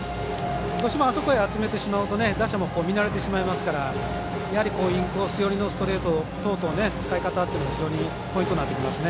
どうしてもあそこに集めてしまうと打者も見慣れてしまいますからインコース寄りのストレート等々使い方というのも非常にポイントになってきますね。